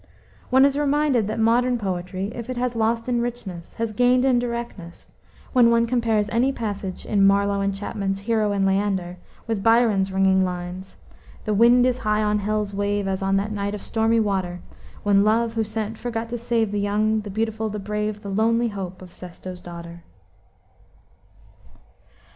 One is reminded that modern poetry, if it has lost in richness, has gained in directness, when one compares any passage in Marlowe and Chapman's Hero and Leander with Byron's ringing lines: "The wind is high on Helle's wave, As on that night of stormy water, When Love, who sent, forgot to save The young, the beautiful, the brave, The lonely hope of Sestos' daughter."